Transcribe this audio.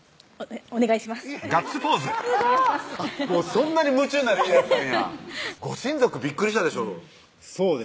そんなに夢中になる家やったんやご親族びっくりしたでしょそうですね